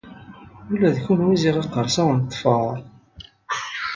Ula d kuniw ziɣ iqqers-awen ṭṭfer!